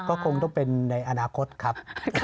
ก็คงต้องเป็นในอนาคตครับ